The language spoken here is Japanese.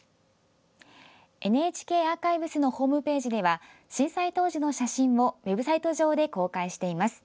ＮＨＫアーカイブスのホームページでは震災当時の写真をウェブサイト上で公開しています。